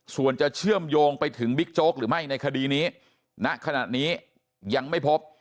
ส่วนจะเชื่อมโยงไปถึงบิ๊กโจ๊กหรือไม่ในคดีนี้ณขณะนี้ยังไม่พบ